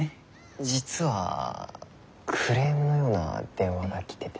実はクレームのような電話が来てて。